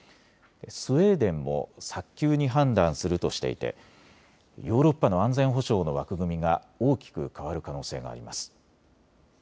スウェーデンも早急に判断するとしていてヨーロッパの安全保障の枠組みが大きく変わる可能性があります。